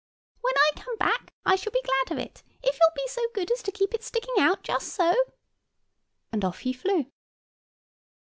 "When I come back, I shall be glad of it, if you'll be so good as to keep it sticking out just so;" and off he flew.